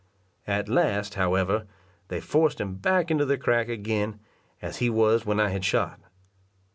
At last, however, they forced him back into the crack again, as he was when I had shot.